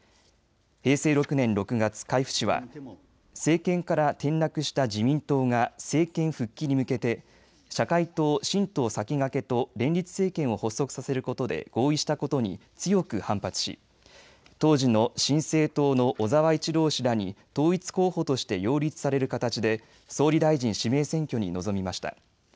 平成６年６月海部氏は政権から転落した自民党が政権復帰に向けて社会党、新党さきがけと連立政権を発足させることで合意したことに強く反発し当時の新生党の小沢一郎氏らに統一候補として擁立される形で総理大臣指名選挙に臨みました。